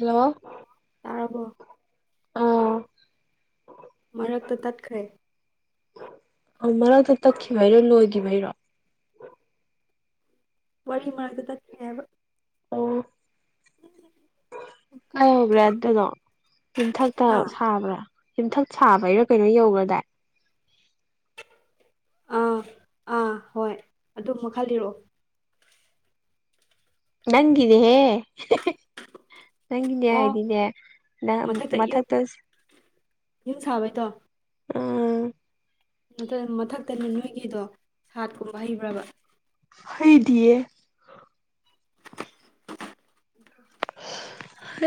hello ꯇꯥꯔꯕꯣ ꯑꯥ ꯃꯔꯛꯇ ꯇꯠꯈ꯭ꯔꯦ ꯑ ꯃꯔꯛꯇ ꯇꯛꯈꯤꯕꯩꯔꯣ ꯂꯣꯏꯈꯤꯕꯩꯔꯣ ꯋꯥꯔꯤ ꯃꯔꯛꯇꯥ ꯇꯠꯈꯔꯦ ꯍꯥꯢꯕ ꯑꯣ ꯀꯥꯏ ꯇꯧꯒ꯭ꯔꯦ ꯑꯗꯨꯗꯣ ꯌꯨꯝꯊꯛ ꯇ ꯍꯥ ꯁꯥꯕ꯭ꯔꯥ ꯌꯨꯝꯊꯛ ꯁꯥꯕꯩꯔꯥ ꯀꯩꯅꯣ ꯌꯧꯒ꯭ꯔꯗꯥꯏ ꯑꯥ ꯑꯥ ꯍꯣꯏ ꯑꯗꯨ ꯃꯈꯥ ꯂꯤꯔꯛꯑꯣ ꯅꯪꯒꯤꯅꯤꯍꯦ ꯅꯪꯒꯤꯅꯦ ꯑꯣ ꯍꯥꯏꯗꯤꯅꯦ ꯅꯪ ꯃꯊꯛꯇ ꯌꯨꯝ ꯁꯥꯕꯩꯗꯣ ꯑꯥ ꯅꯠꯇꯦ ꯃꯊꯛꯇꯅꯦ ꯅꯣꯏꯒꯤꯗꯣ ꯁꯥꯠꯀꯨꯝꯕ ꯍꯩꯕ꯭ꯔꯕ ꯍꯩꯗꯤꯌꯦ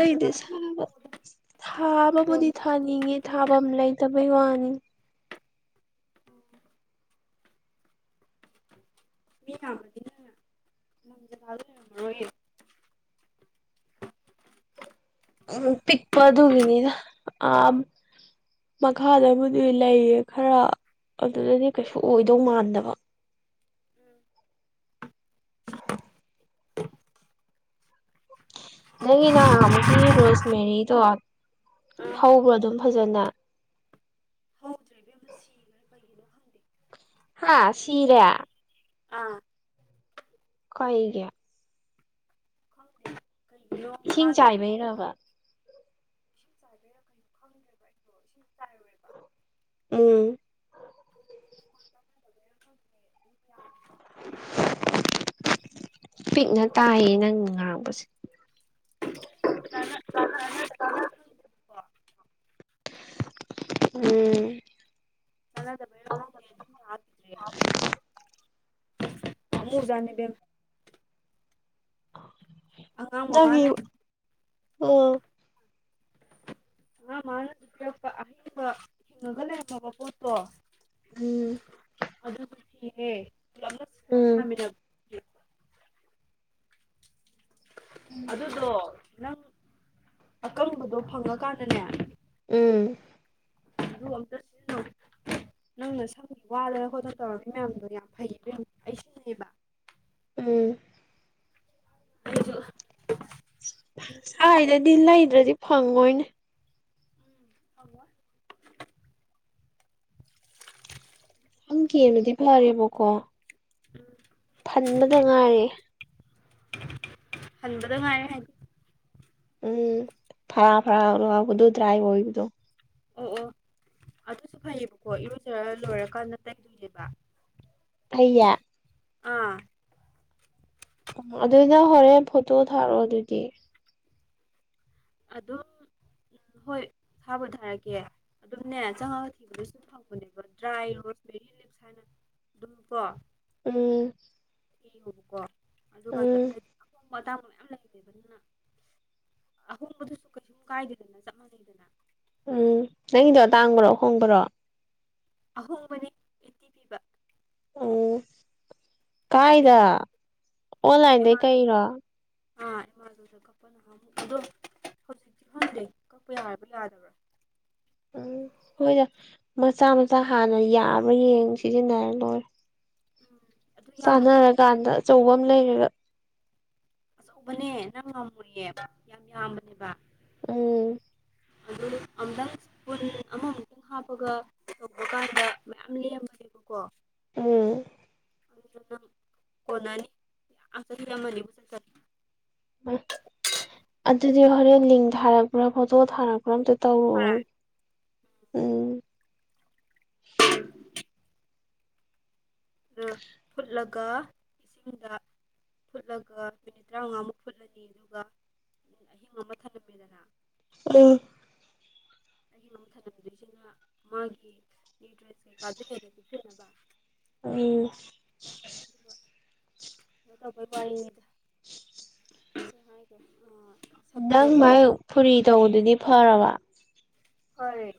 ꯑꯗꯨ ꯖꯒꯥ ꯂꯩꯇ꯭ꯔꯗꯤ ꯁꯥꯕ ꯇꯣꯛꯑꯣꯗ ꯊꯥꯕꯕꯨꯗꯤ ꯊꯥ ꯀꯣꯟꯅ ꯊꯥꯅꯤꯡꯉꯦ ꯊꯥꯐꯝ ꯂꯩꯇꯕꯩ ꯋꯥꯅꯤ ꯃꯤ ꯉꯕꯗꯤꯅ ꯂꯝꯔꯣꯏ [inaudible] ꯄꯤꯛꯄ ꯑꯗꯨꯒꯤꯅꯤꯗ ꯑ ꯃꯈꯥꯗꯕꯨꯗꯤ ꯂꯩꯌꯦ ꯈꯔ ꯑꯗꯨꯗꯗꯤ ꯀꯩꯁꯨ ꯑꯣꯏꯗꯧ ꯃꯥꯟꯗꯕ ꯅꯪꯒꯤ ꯅꯍꯥꯟ ꯑꯃꯨꯛꯒꯤ ꯔꯣꯁ ꯃꯦꯔꯤꯗꯣ ꯑꯥ ꯍꯧꯕ꯭ꯔꯥ ꯑꯗꯨꯝ ꯐꯖꯅ ꯍꯧꯗ꯭ꯔꯦꯕꯦꯝ ꯑꯃ ꯁꯤꯈ꯭ꯔꯥ ꯀꯔꯤꯒꯤꯅꯣ ꯍꯪꯕꯦ [inaudible] ꯍꯥꯥ ꯁꯤꯔꯦ ꯑꯥ ꯀꯩꯒꯤ ꯈꯪꯗꯦ ꯀꯩꯒꯤꯅꯣ ꯏꯁꯤꯡ ꯃꯥꯒꯤ ꯇꯦꯝꯄꯔꯦꯆꯔ ꯆꯥꯏꯕꯩꯔꯕ ꯏꯁꯤꯡ ꯆꯥꯏꯗꯣꯏꯔꯥ ꯀꯩꯅꯣ ꯈꯪꯗ꯭ꯔꯦꯕ ꯑꯩꯗꯣ ꯏꯁꯤꯡ ꯆꯥꯏꯔꯣꯏꯕ ꯎꯝ ꯦ ꯌꯥꯎꯗꯤ [inaudible] ꯄꯤꯛꯅ ꯇꯥꯏꯌꯦ ꯅꯪ ꯉꯥꯡꯕꯁꯦ ꯅ [inaudible] ꯎꯝ ꯆꯅꯥꯗꯔ ꯈꯪꯦ ꯑꯗꯨ ꯍꯀꯗ꯭ꯔꯦꯕ ꯑꯃꯃꯨꯖꯅꯤꯦꯕꯦꯝ [inaudible] ꯑꯉꯥꯡ ꯅꯪꯒꯤ ꯃꯉꯥꯅꯦ ꯑꯣ ꯑ ꯃꯥꯅꯔꯛꯄ ꯑꯍꯤꯡꯕ ꯍꯤꯡꯅꯒꯜꯂꯦꯃꯕ ꯄꯣꯠꯇꯣ ꯎꯝ [inaudible] ꯑꯗꯨꯦ ꯎꯝ [inaudible] ꯑꯗꯨꯗꯣ ꯅꯪ ꯑꯀꯪꯕꯗꯣ ꯐꯪꯉꯀꯥꯟꯗꯅꯦ ꯎꯝ ꯑꯗꯨꯝꯇ ꯁꯤ [inaudible] ꯅꯪꯅ ꯁꯪꯒꯤ ꯋꯥꯗꯅ ꯈꯣꯠꯇꯅ ꯇꯧꯔꯝꯃꯤ ꯃꯌꯥꯝꯗꯣ ꯌꯥꯝ ꯐꯩꯌꯦ ꯃꯌꯥꯝ ꯑꯩ [inaudible] ꯁꯤꯟꯅꯩꯕ ꯎꯝ ꯖ ꯍꯥꯏꯗꯗꯤ ꯂꯩꯗ꯭ꯔꯗꯤ ꯐꯪꯉꯣꯏꯅꯦ ꯍꯃ ꯍꯪ ꯀꯅꯗꯤ ꯐꯔꯦꯕꯣꯀꯣ ꯎꯝ ꯈꯟꯕꯗ ꯉꯥꯏꯔꯦ ꯍꯟꯕꯗꯣ ꯉꯥꯏꯔꯦ ꯍꯥꯏ ꯎꯝ ꯐꯔꯥ ꯐꯔꯥꯗꯨ ꯗ꯭ꯔꯥꯏ ꯑꯣꯏꯗ ꯑꯣ ꯑꯣ ꯑꯗꯨꯁꯨ ꯐꯩꯌꯦꯕꯀꯣ ꯏꯔꯣꯏꯖꯔ ꯂꯣꯏꯔꯀꯥꯟꯗ ꯇꯩꯗꯣꯏꯅꯦꯦꯕ ꯑꯌꯥ ꯑꯥ ꯑꯣ ꯑꯗꯨꯗ ꯍꯣꯔꯦꯟ ꯐꯣꯇꯣ ꯊꯥꯔꯛꯑꯣ ꯑꯗꯨꯗꯤ ꯑꯗꯨꯝ ꯍꯣꯏ ꯊꯥꯕ ꯊꯥꯔꯛꯀꯦ ꯑꯗꯨꯝꯅꯦ ꯆꯪꯉꯛꯒ ꯊꯤꯕꯗ ꯁꯨꯝ ꯐꯪꯧꯕꯅꯦꯕ ꯗ꯭ꯔꯥꯏ ꯔꯣꯁꯕꯦꯔꯤ ꯂꯤꯞꯁ ꯍꯥꯏꯅ ꯑꯗꯨꯝ ꯀꯣ ꯎꯝ ꯌꯦꯉꯣꯕꯀꯣ ꯑꯗꯨꯀꯥꯟꯗ ꯎꯝ ꯍꯥꯏ ꯑꯇꯥꯡꯕ ꯃꯌꯥꯝ ꯂꯩꯔꯦꯕ ꯑꯗꯨꯅ ꯑꯍꯣꯡꯕꯗꯨꯁꯨ ꯀꯩꯁꯨꯝ ꯀꯥꯏꯗꯦꯗꯅ ꯆꯞ ꯃꯥꯟꯅꯩꯗꯅ ꯎꯝ ꯅꯪꯒꯤꯗꯣ ꯇꯥꯡꯕ꯭ꯔꯣ ꯍꯣꯡꯕ꯭ꯔꯣ ꯑꯍꯣ ꯃꯅꯤ ꯎꯝ ꯀꯥꯏꯗ ꯑꯩꯠꯇꯤ ꯑꯣꯟꯂꯥꯏꯟꯗꯩ ꯀꯩꯔꯣ ꯑꯥꯃ ꯇꯧꯖꯒꯣ ꯑꯩꯈꯣꯏ ꯅꯍ ꯑꯃꯨꯛ ꯑꯗꯣ ꯍꯧꯖꯤꯛꯇꯤ ꯍꯪꯗꯦ ꯀꯛꯄ ꯌꯥꯔꯕ ꯌꯥꯗꯕ꯭ꯔꯥ ꯎꯝ ꯍꯣꯏꯗ ꯃꯆꯥ ꯃꯆꯥ ꯍꯥꯟꯅ ꯌꯥꯕ꯭ꯔꯥ ꯌꯦꯡ ꯁꯤꯖꯤꯟꯅꯔ ꯂꯣꯏꯔꯦ ꯎꯝ ꯑꯗꯨ ꯌꯥꯝ ꯆꯥꯟꯅꯔꯀꯥꯟꯗ ꯑꯆꯧꯕ ꯑꯃ ꯂꯩꯔꯦꯕ ꯑꯆꯧꯕꯅꯦ ꯅꯪ ꯉꯝꯃꯨꯌꯦꯕ ꯌꯥꯝ ꯌꯥꯝꯕꯅꯦꯕ ꯎꯝ ꯑꯗꯨ ꯑꯃꯨꯛꯇꯪꯟ ꯑꯃ ꯑꯨꯛꯇꯪ ꯍꯥꯞꯄꯒ ꯇꯧꯕ ꯀꯥꯟꯗ ꯃꯌꯥꯝ ꯂꯦꯝꯃꯅꯦꯕꯀꯣ ꯎꯝ ꯀꯅꯥꯅꯤ ꯑ ꯃꯅꯤꯄꯨꯔ ꯑꯗꯨꯗꯤ ꯍꯣꯔꯦꯟ ꯂꯤꯡ ꯊꯥꯔꯛꯄ꯭ꯔꯥ ꯐꯣꯇꯣ ꯊꯥꯔꯛꯄ꯭ꯔꯥ ꯑꯝꯇ ꯇꯧꯔꯛꯑꯣ ꯎꯝ ꯑꯥ ꯐꯨꯠꯂꯒ ꯏꯁꯤꯡꯗ ꯐꯨꯠꯂꯒ ꯃꯤꯅꯤꯠ ꯇꯔꯥꯃꯉꯥꯃꯨꯛ ꯐꯨꯠꯂꯅꯤ ꯑꯗꯨꯒ ꯑꯍꯤꯡ ꯑꯃ ꯊꯜꯂꯝꯃꯦꯗꯅ ꯎꯝ ꯑꯩꯒꯤ ꯃꯃ ꯊꯜꯂꯝꯗꯣꯏꯁꯤꯅ ꯃꯥꯒꯤ ꯌꯦ ꯗ꯭ꯔꯦꯁ ꯀꯩꯀꯥꯗ ꯍꯔꯀꯁꯨꯅꯕ ꯎ ꯗ ꯍꯥꯏ ꯅꯪ ꯃꯥꯥꯏ ꯐꯨꯔꯤ ꯇꯧꯕꯗꯨꯗꯤ ꯐꯔꯕ ꯍꯣꯏꯦ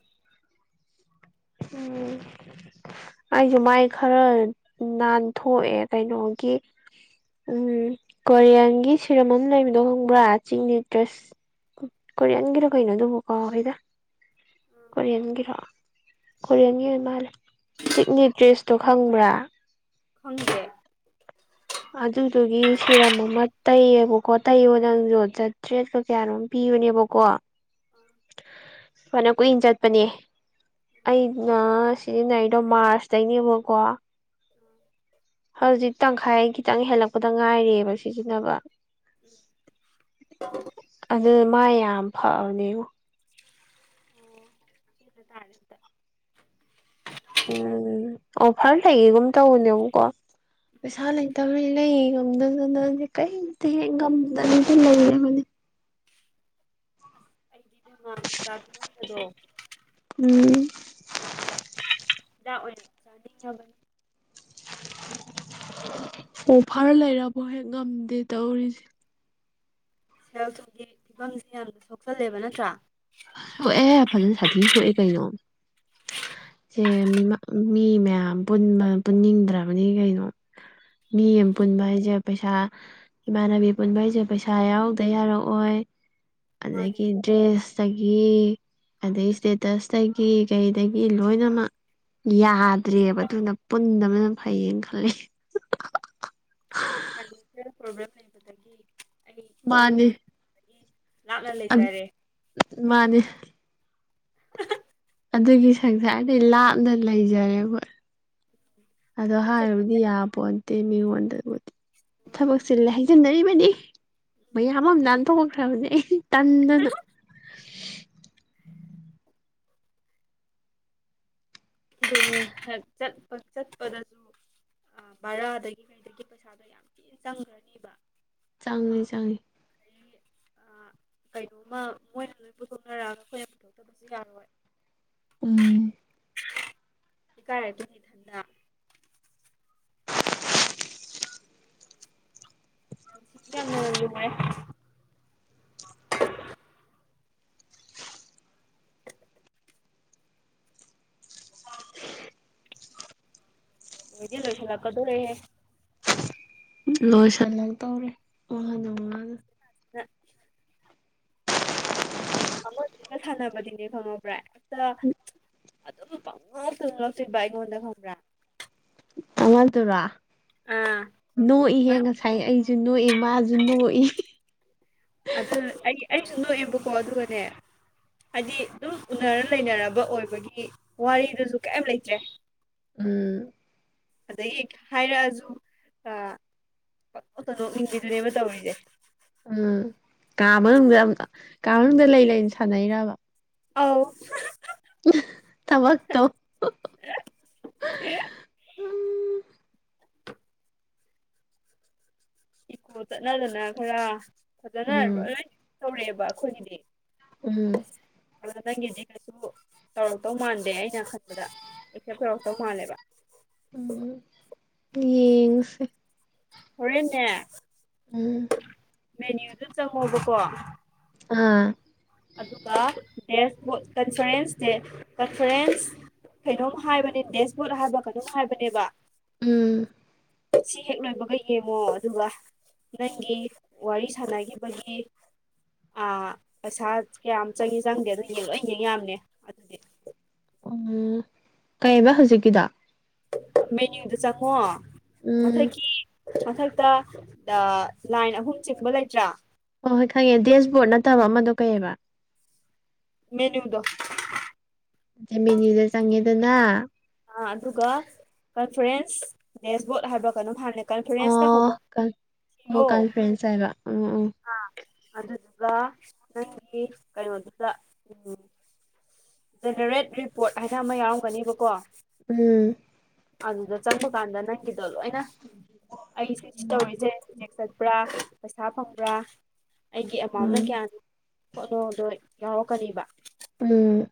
ꯎꯝ ꯑꯩꯁꯨ ꯃꯥꯏ ꯈꯔ ꯅꯥꯟꯊꯣꯛꯑꯦ ꯀꯩꯅꯣꯒꯤ ꯎꯝ ꯀꯣꯔꯤꯌꯥꯟꯒꯤ ꯁꯤꯔꯝ ꯑꯃ ꯂꯩꯕꯗꯣ ꯍꯪꯕ꯭ꯔꯥ ꯆꯤꯡ ꯅ꯭ꯌꯨꯇ꯭ꯔꯁ ꯀꯣꯔꯤꯌꯥꯟꯒꯤꯗꯣ ꯀꯩꯅꯣꯗꯨꯕꯨꯀꯣ ꯍꯗ ꯑꯥ ꯀꯣꯔꯤꯌꯟꯒꯤꯔꯣ ꯀꯣꯔꯤꯌꯟꯒꯤ ꯑꯣꯏꯅ ꯃꯥꯜꯂꯦ ꯆꯤꯛꯅꯤ ꯗ꯭ꯔꯦꯁꯇꯣ ꯈꯪꯕ꯭ꯔꯥ ꯈꯪꯗꯦ ꯑꯗꯨꯗꯨꯒꯤ ꯁꯤꯔꯝ ꯑꯃ ꯇꯩꯌꯦꯕꯀꯣ ꯇꯩꯌꯣ ꯅꯪ ꯌꯣ ꯆꯠꯇ꯭ꯔꯦ ꯀꯥ ꯀꯌꯥꯅꯣꯝ ꯄꯤꯕꯅꯦꯕꯀꯣ ꯐꯅ ꯀꯨꯏꯅ ꯆꯠꯄꯅꯦ ꯑꯩꯅ ꯁꯤꯖꯤꯟꯅꯔꯤꯗꯣ ꯃꯥꯔꯁꯇꯅꯦꯕꯀꯣ ꯍꯧꯖꯤꯛ ꯇꯪꯈꯥꯏꯒꯤ ꯈꯤ ꯇꯪ ꯍꯦꯜꯂꯛꯄꯗ ꯉꯥꯏꯔꯤꯕ ꯁꯤꯖꯤꯟꯅꯕ ꯎꯝ [unintelligible] ꯑꯗꯨ ꯃꯥꯏ ꯌꯥꯝ ꯐꯕꯅꯦꯉꫭ ꯑꯣ ꯁꯤ ꯇꯥꯔꯦ ꯑꯝꯇ ꯎꯝ ꯑꯣꯐꯔ ꯂꯩꯌꯦꯒꯨꯝ ꯇꯧꯕꯅꯦꯕꯀꯣ ꯄꯩꯁꯥ ꯂꯩ ꯇꯧꯏ ꯂꯩ ꯉꯝꯗꯥꯥꯗꯅꯁꯦ ꯀꯔꯤꯝꯇ ꯍꯦꯛ ꯉꯝꯗꯅ ꯇꯤꯟꯅꯔꯅꯤ ꯑꯁ [unintelligible] ꯎꯝ ꯍꯤꯗꯥꯛ ꯑꯣꯏꯅ ꯆꯥꯅꯤꯡꯉꯕꯅꯤ ꯑꯣ ꯐꯔ ꯂꯩꯔꯕꯣ ꯍꯦꯛ ꯉꯝꯗꯦ ꯇꯧꯔꯤꯁꯦ ꯁꯦꯜ ꯊꯨꯝꯒꯤ ꯐꯤꯕꯝꯁꯤ ꯌꯥꯝꯅ ꯁꯣꯛꯆꯜꯂꯦꯕ ꯅꯠꯇ꯭ꯔꯥ ꯁꯣꯛꯑꯦ ꯍꯦ ꯐꯖꯅ ꯁꯥꯊꯤ ꯁꯣꯛꯑꯦ ꯀꯩꯅꯣ ꯁꯦ ꯃꯤ ꯃꯌꯥꯝ ꯄꯨꯟꯕ ꯄꯨꯟꯅꯤꯡꯗ꯭ꯔꯕꯅꯤ ꯀꯩꯅꯣ ꯃꯤ ꯑꯃ ꯄꯨꯟꯕ ꯍꯥꯏꯁꯦ ꯄꯩꯁꯥ ꯏꯃꯥꯟꯅꯕꯤ ꯄꯨꯟꯕ ꯍꯥꯏꯁꯦ ꯄꯩꯁꯥ ꯌꯥꯎꯗ ꯌꯥꯔꯛꯑꯣꯏ ꯃꯥꯅꯦ ꯑꯗꯒꯤ ꯗ꯭ꯔꯦꯁ ꯇꯒꯤ ꯑꯗꯩ ꯏꯁꯇꯦꯇꯁꯇꯒꯤ ꯀꯩꯗꯒꯤ ꯂꯣꯏꯅꯃꯛ ꯌꯥꯗ꯭ꯔꯦꯕ ꯑꯗꯨꯅ ꯄꯨꯟꯗꯕꯅ ꯐꯩꯌꯦꯅ ꯈꯜꯂꯦ ꯐꯥꯏꯅꯥꯟꯁꯤꯌꯦꯜ ꯄ꯭ꯔꯣꯕ꯭ꯂꯦꯝ ꯂꯩꯕꯗꯒꯤ ꯑꯩ ꯃꯤꯒꯤ ꯃꯥꯅꯤ ꯌꯨꯝꯗꯒꯤ ꯂꯥꯞꯅ ꯂꯩꯖꯔꯦ [unintelligible] ꯃꯥꯅꯤ [unintelligible] ꯑꯗꯨꯒꯤ ꯁꯪꯁꯥꯔꯗꯤ ꯂꯥꯞꯅ ꯂꯩꯖꯔꯦ ꯑꯩꯈꫭꯏ ꯑꯗꯣ ꯑꯗꯒꯤ ꯆꯠꯄ ꯍꯥꯏꯕꯨꯗꯤ ꯍꯥꯏꯁꯦ ꯌꯥꯄꯣꯟꯇꯦ ꯃꯤꯉꯣꯟꯗꯕꯨꯗꯤ ꯊꯕꯛ ꯃꯥꯅꯦ ꯆꯤꯟꯂꯦ ꯍꯥꯏꯖꯤꯟꯅꯔꯤꯕꯅꯤ ꯃꯌꯥꯝ ꯑꯃ ꯂꯥꯟ ꯊꯣꯛꯈ꯭ꯔꯕꯅꯦ ꯑꯩ ꯇꯟꯗꯥꯅ [inaudible] [unintelligible] ꯍꯦꯛ ꯆꯠꯄ ꯆꯠꯄꯗꯁꯨ ꯑ ꯕꯔꯥꯗꯒꯤ ꯀꯩꯗꯒꯤ ꯄꯩꯁꯥꯗꯣ ꯌꯥꯝ ꯊꯤꯅ ꯆꯪꯈ꯭ꯔꯅꯤꯕ ꯆꯪꯉꯦ ꯆꯪꯉꯦ ꯑꯗꯒꯤ [inaudible] ꯀꯩꯅꯣꯝꯃ ꯃꯣꯏꯅ ꯂꯣꯏ ꯄꯨꯊꯣꯛꯅꯔꯛꯑꯒ ꯑꯩꯈꯣꯏꯅ ꯄꯨꯊꯣꯛꯇꯕꯁꯨ ꯌꯥꯔꯣꯏ ꯎꯝ ꯏꯀꯥꯏꯔꯛꯈꯤꯅꯤ ꯏꯊꯟꯇ ꯄꯨꯟꯁꯤꯖꯦ ꯌꯥꯝꯅ [unintelligible] ꯂꯨꯔꯦ [inaudible] ꯂꯣꯏꯗꯤ ꯂꯣꯏꯁꯤꯜꯂꯛꯀꯗꯧꯔꯦꯍꯦ ꯂꯣꯁꯜꯂꯛꯇꯣꯔꯦ ꯋꯅꯥ ꯋꯅꯥ [unintelligible] ꯑꯃꯒꯤꯒ ꯁꯥꯟꯅꯕꯗꯤꯅꯦ ꯈꯪꯉꯕ꯭ꯔꯥ ꯍꯦꯛꯇ ꯑꯗꯨꯝ ꯄꯪꯅꯣꯛꯇ ꯅꯣꯉꯇꯣꯏꯕ ꯑꯩꯉꯣꯟꯗ ꯈꯪꯕ꯭ꯔꯥ ꯑꯃꯗꯨꯔꫭ ꯑꯥ ꯅꯣꯛꯏꯍꯦ ꯉꯁꯥꯏ ꯑꯩ ꯖꯨ ꯅꯣꯛꯏ ꯃꯥꯖꯨ ꯅꯣꯛꯏ ꯑꯗꯨ ꯑꯩ ꯑꯩꯁꯨ ꯅꯣꯛꯑꯦꯕꯀꯣ ꯑꯗꯨꯒꯅꯦ ꯍꯥꯏꯗꯤ ꯑꯗꯨꯝ ꯎꯅꯔ ꯂꯩꯅꯔꯕ ꯑꯣꯏꯕꯒꯤ ꯋꯥꯔꯤꯗꯨꯁꯨ ꯀꯩꯝ ꯂꯩꯇ꯭ꯔꯦ ꯎꯝ ꯑꯗꯥꯒꯤ ꯍꯥꯏꯔꯛꯑꯖꯨ ꯑ ꯄꯛꯅꯣꯛꯇ ꯅꯣꯛꯅꯤꯡꯕꯤꯗꯨꯅꯦꯕ ꯇꯧꯔꯤꯁꯦ ꯎꯝ ꯀꯥ ꯃꯅꯨꯡꯗ ꯑꯝ ꯀꯥ ꯃꯅꯨꯡꯗ ꯂꯩ ꯂꯩꯅ ꯁꯥꯟꯅꯩꯔꯕ ꯑꯥꯎ ꯊꯕꯛꯇꯣ ꯎꯝ ꯏꯀꯣ ꯆꯠꯅꯗꯅ ꯈꯔ ꯐꯖꯅ ꯂꯣꯏ ꯇꯧꯔꯛꯑꯦꯕ ꯑꯩꯈꯣꯏꯒꯤꯗꯤ ꯎꯝ ꯑ ꯅꯪꯒꯤꯗꯤ ꯀꯩꯁꯨ ꯇꯧꯔꯛꯇꯧ ꯃꯥꯟꯗꯦ ꯑꯩ [unintelligible] ꯈꯜꯂꯗ ꯑꯦꯛꯁꯦꯞ ꯇꯧꯔꯛꯇꯧ ꯃꯥꯜꯂꯦꯕ ꯎꯝ ꯌꯦꯡꯉꯁꯦ ꯍꯔꯦꯟꯅꯦ ꯎꯝ ꯃꯦꯅ꯭ꯌꯨꯗꯨ ꯆꯪꯉꯣꯕꯀꯣ ꯑꯥ ꯑꯗꯨ ꯗꯦꯁꯕꯣꯗ ꯀꯟꯐꯔꯦꯟ꯭ꯁ ꯗꯦ ꯀꯟꯐꯔꯦꯟꯁ ꯀꯩꯅꯣꯝ ꯍꯥꯏꯕꯅꯦ ꯗꯦꯁꯕꯣꯠ ꯍꯥꯏꯕ ꯀꯩꯅꯣꯝ ꯍꯥꯏꯕꯅꯦꯕ ꯎꯝ ꯁꯤ ꯍꯦꯛ ꯂꯣꯏꯕꯒ ꯌꯦꯡꯉꯣ ꯑꯗꯨꯒ ꯅꯪꯒꯤ ꯋꯥꯔꯤ ꯁꯥꯟꯅꯈꯤꯕꯒꯤ ꯑ ꯄꯩꯁꯥ ꯀꯌꯥꯝ ꯆꯪꯏ ꯆꯪꯗꯦꯗꯣ ꯌꯦꯡ ꯂꯣꯏ ꯌꯦꯡ ꯌꯥꯝꯅꯦ ꯑꯗꯨꯗꯤ ꯎꯝ ꯀꯩꯕ ꯍꯧꯖꯤꯛꯀꯤꯗꯣ ꯃꯦꯅ꯭ꯌꯨꯗ ꯆꯡꯉꯣ ꯎꯝ ꯃꯊꯛꯀꯤ ꯃꯊꯛꯇ ꯂꯥꯏꯟ ꯑꯍꯨꯝ ꯆꯤꯡꯕ ꯂꯩꯇ꯭ꯔꯥ ꯍꯣꯏ ꯍꯣꯏ ꯈꯪꯉꯦ ꯗꯦꯁꯕꯣꯔꯗ ꯅꯠꯇꯕ ꯑꯃꯗꯣ ꯀꯩꯑꯕ ꯃꯦꯅ꯭ꯌꯨꯗꯣ ꯃꯦꯅ꯭ꯌꯨꯗ ꯆꯪꯉꯦꯗꯅ ꯑ ꯑꯗꯨꯒ ꯀꯟꯐ꯭ꯔꯦꯟꯁ ꯗꯦꯁꯕꯣꯠ ꯍꯥꯏꯕ ꯀꯩꯅꯣꯝ ꯍꯥꯕꯅꯦ ꯀꯟꯐ꯭ꯔꯦꯟ꯭ꯁꯅ ꯑꯣ ꯍꯧꯕ [inaudible] ꯑꯣ ꯁꯤꯔꯣ ꯀꯟꯐ꯭ꯔꯦꯟꯁ ꯍꯥꯏꯕ ꯎꯝ ꯑ ꯑꯗꯨꯗꯨꯒ ꯅꯪꯒꯤ ꯀꯩꯅꯣꯗꯨꯗ ꯎꯝ ꯖꯦꯅꯔꯦꯠ ꯔꯤꯄꯣꯔꯠ ꯍꯥꯏꯅ ꯑꯃ ꯌꯥꯎꯔꯝꯒꯅꯤꯕꯀꯣ ꯎꯝ ꯑꯗꯨꯗ ꯆꯪꯄ ꯀꯥꯟꯗ ꯅꯪꯒꯤꯗꯣ ꯂꯣꯏꯅ ꯑꯩꯁꯨ ꯁꯤ ꯇꯧꯔꯤꯁꯦ ꯆꯦꯛ ꯆꯠꯄ꯭ꯔꯥ ꯄꯩꯁꯥ ꯐꯪꯕ꯭ꯔꯥ ꯑꯩꯒꯤ ꯑꯃꯥꯎꯟꯅ ꯎꯝ ꯀꯌꯥꯅꯣ ꯍꯣꯠꯂꯣꯗꯣꯏ ꯌꯥꯎꯔꯣ ꯀꯕꯥ ꯎꯝ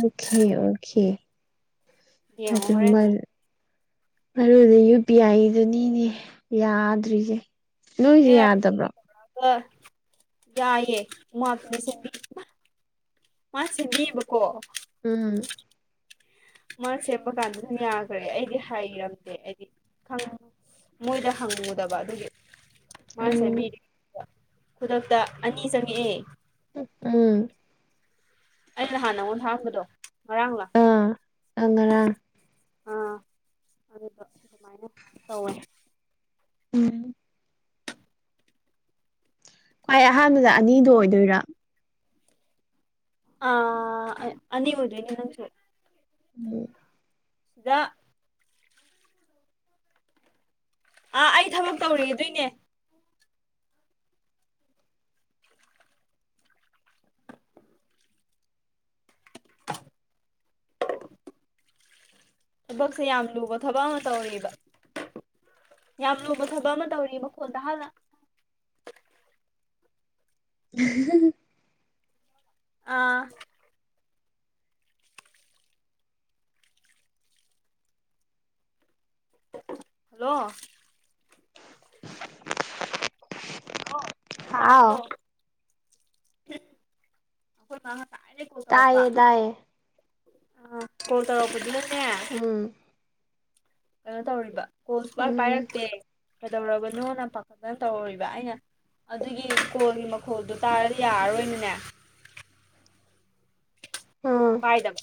ꯃꯈꯦ ꯑꯣ ꯈꯦ ꯍꯥꯏꯖ ꯍꯔ ꯃꯔꯨꯗꯤ ꯌꯨ ꯄꯤ ꯑꯥꯏꯗꯨꯅꯤꯅꯦ ꯌꯥꯗ꯭ꯔꯤꯁꯦ ꯅꯣꯏꯁꯦ ꯌꯥꯗꯕ꯭ꯔꯣ ꯑꯦꯒ ꯌꯥꯏꯑꯌꯦ ꯃꯥ ꯃꯥꯁꯦꯅꯦꯕꯀꯣ ꯎꯝ ꯃꯥ ꯁꯦꯝꯄ ꯀꯥꯟꯗ ꯑꯗꯨꯝ ꯌꯥꯈ꯭ꯔꯦ ꯑꯩꯗꯤ ꯍꯥꯏꯩꯔꯝꯗꯦ ꯑꯩꯗꯤ ꯃꯣꯏꯗ ꯍꯪꯉꯨꯗꯕ ꯑꯗꯨꯒꯤ ꯃꯥ ꯎꯝ ꯆꯕꯤꯔꯤ ꯈꯨꯗꯛꯇ ꯑꯅꯤ ꯆꯪꯉꯛꯑꯦ ꯎꯝ ꯑꯩꯁꯍꯥꯟꯅ ꯑꯩꯉꯣꯟ ꯍꯥꯡꯄꯗꯣ ꯉꯔꯥꯡꯒ ꯑꯉꯔ ꯑꯥ ꯑꯗꯨ ꯑꯗꯨꯃꯥꯏꯅ ꯇꯧꯦ ꯎꯝ ꯈ꯭ꯋꯥꯏ ꯑꯍꯥꯟꯕꯗ ꯑꯅꯤꯗꯣ ꯑꯣꯏꯗꯣꯏꯔꯥ ꯑꯅꯤ ꯎꯗ꯭ꯔꯦꯪꯁꯨ ꯎꯝ [inaudible] ꯑꯥ ꯑꯩ ꯊꯕꯛ ꯇꯧꯔꯦꯗꯣꯏꯅꯦ [inaudible] ꯊꯕꯛꯁꯦ ꯌꯥꯝ ꯂꯨꯕ ꯊꯕꯛ ꯑꯃ ꯇꯧꯔꯤꯕ ꯌꯥꯝ ꯂꯨꯕ ꯊꯕꯛ ꯑꯃ ꯇꯧꯔꯤ ꯃꯈꯣꯟꯗ ꯍꯥꯟꯅ ꯎ ꯑꯥ ꯍꯜꯂꯣ ꯍꯜꯂꯣ ꯍꯥꯎ ꯇꯥꯕ꯭ꯔꯣ ꯑꯩꯈꯣꯏ ꯇꯥꯏꯔ ꯀꯣꯜ ꯇꯧꯔꯛꯄ ꯇꯥꯏꯌꯦ ꯇꯥꯏꯌꯦ ꯑ ꯀꯣꯜ ꯇꯧꯔꯣꯄꯗꯨꯗꯅꯦ ꯎꯝ ꯀꯩꯅꯣ ꯇꯧꯔꯤꯕ ꯀꯣꯜ ꯁꯨ ꯀꯥꯏ ꯎꯝ ꯄꯥꯏꯔꯛꯇꯦ ꯀꯩꯗꯧꯔꯕꯅꯣꯅ ꯄꯥꯈꯠꯠꯇꯅ ꯇꯧꯔꯣꯔꯤꯕ ꯑꯩꯅ ꯑꯗꯨꯒꯤ ꯀꯣꯜꯒꯤ ꯃꯈꯣꯜꯗꯣ ꯇꯥꯔꯗꯤ ꯌꯥꯔꯔꯣꯏꯅꯅꯦ ꯎꯝ ꯄꯥꯏꯗꯕ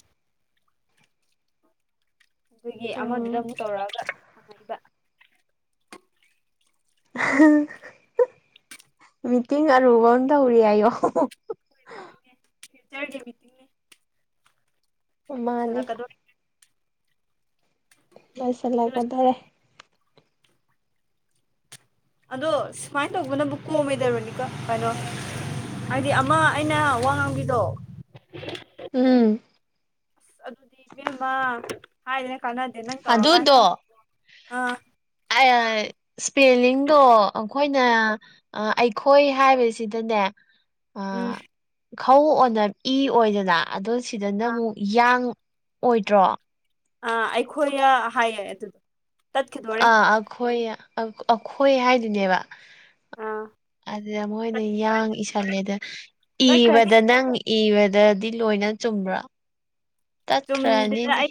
ꯑꯗꯨꯒꯤ ꯑꯃꯗꯨꯗ ꯎꯝ ꯑꯃꯨꯛ ꯇꯧꯔꯛꯑꯒ ꯍꯪꯉꯛꯏꯕ ꯃꯤꯇꯤꯡ ꯑꯔꯨꯕꯅ ꯇꯧꯔꯤ ꯍꯥꯏꯌꯣ ꯐꯆꯔꯒꯦꯕꯤꯇ ꯃꯥꯅꯦ ꯂꯣꯏꯁꯤꯜꯂꯛꯀꯗꯣꯔꯦ ꯂꯣꯏꯗꯤ ꯃꯣꯏꯁꯤꯜꯂꯛꯒꯗꯧꯔꯦ ꯂꯣꯏꯁꯤꯜꯂꯛꯀꯗꯣꯔꯦ ꯑꯗꯣ ꯁꯨꯃꯥꯏꯅ ꯇꯧꯕꯅꯕꯨ ꯀꯣꯝꯃꯦꯗ ꯔꯣꯅꯤꯀꯥ ꯀꯩꯅꯣ ꯍꯥꯏꯗꯤ ꯑꯃ ꯑꯩꯅ ꯋꯥ ꯉꯥꯡꯕꯤꯗꯣ ꯎꯝ ꯑꯁ ꯑꯗꯨꯗꯤ ꯏꯕꯦꯝꯃ ꯍꯥꯏꯗꯦꯅ ꯀꯥꯟꯅꯗꯦ ꯅꯪ ꯇꯧꯔꯀꯥꯟ ꯑꯗꯨꯗꯣ ꯈꯪꯅꯤ ꯑꯥ ꯏꯁꯄꯦꯂꯤꯡꯗꯣ ꯑꯩꯈꯣꯏꯅ ꯑꯩꯈꯣꯏ ꯍꯥꯏꯕꯁꯤꯗꯅꯦ ꯎꯝ ꯑ ꯈꯣꯏ ꯑꯣꯏꯗꯅ ꯑꯗꯣ ꯁꯤꯗꯅ ꯑꯃꯨꯛ ꯌꯥꯡ ꯑꯣꯏꯗ꯭ꯔꯣ ꯑ ꯑꯩꯈꯣꯏ ꯌꯥ ꯍꯥꯏ ꯑꯗꯨꯗꯣ ꯇꯠꯈꯤꯗꯣꯔꯦ ꯑꯥ ꯑꯩꯈꯣꯏ ꯑꯩꯈꯣꯏ ꯍꯥꯏꯗꯨꯅꯦꯕ ꯑꯥ ꯑꯗꯨꯗ ꯃꯣꯏꯅ ꯇꯠꯈꯤꯗꯣꯔꯦ ꯌꯥꯡ ꯏꯁꯁꯜꯂꯦꯗ ꯇꯠꯈ꯭ꯔꯅꯤ ꯏꯕꯗ ꯅꯪ ꯏꯕꯗꯗꯤ ꯂꯣꯏꯅ ꯆꯨꯝꯕ꯭ꯔꯥ ꯆꯨꯝꯗꯦꯗ ꯇꯠꯈ꯭ꯔꯅꯤꯗꯤ ꯑꯩ